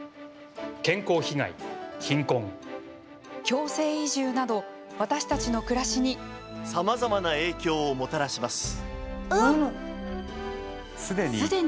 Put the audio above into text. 強制移住など私たちの暮らしにさまざまな影響をもたらします。